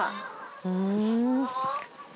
ふん。